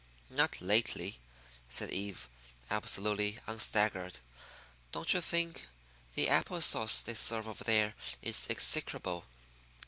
"Not lately," said Eve, absolutely unstaggered. "Don't you think the apple sauce they serve over there is execrable?